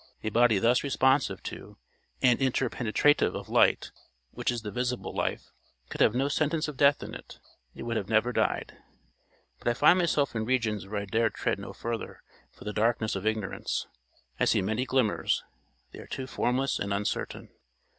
A body thus responsive to and interpenetrative of light, which is the visible life, could have no sentence of death in it. It would never have died. But I find myself in regions where I dare tread no further for the darkness of ignorance. I see many glimmers: they are too formless and uncertain.